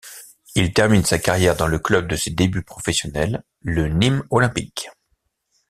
Il termine sa carrière dans le club de ses débuts professionnels, le Nîmes Olympique.